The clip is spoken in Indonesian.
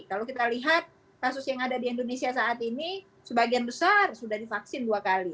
kalau kita lihat kasus yang ada di indonesia saat ini sebagian besar sudah divaksin dua kali